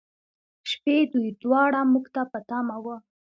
شپې، دوی دواړه موږ ته په تمه و.